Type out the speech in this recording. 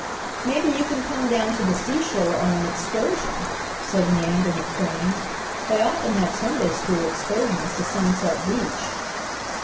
"Maybe you can come down to the seashore on an excursion," said Nan to her friends. "They often have Sunday school excursions to Sunset Beach."